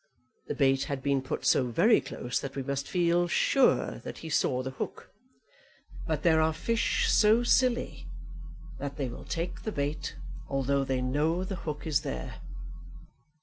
The bait had been put so very close that we must feel sure that he saw the hook. But there are fish so silly that they will take the bait although they know the hook is there.